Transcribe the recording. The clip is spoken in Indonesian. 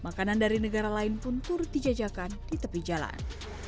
makanan dari negara lain pun turut dijajakan di tepi jalan